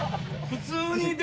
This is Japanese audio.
普通に。